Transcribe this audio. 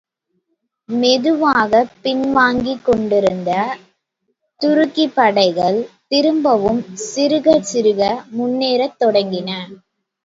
மெதுவாகப் பின்வாங்கிக் கொண்டிருந்த துருக்கிப்படைகள் திரும்பவும் சிறுகச் சிறுக முன்னேறத் தொடங்கின.